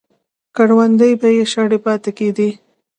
کروندې به یې شاړې پاتې کېدې.